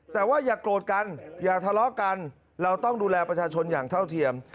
แต่ว่าอย่าโกรธกันอย่าทะเลาะกันเราต้องดูแลประชาชนอย่างเท่าเทียม